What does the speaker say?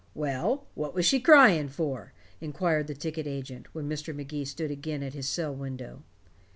"Well, what was she crying for?" inquired the ticket agent, when Mr. Magee stood again at his cell window.